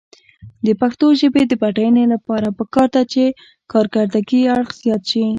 د پښتو ژبې د بډاینې لپاره پکار ده چې کارکردي اړخ زیات شي.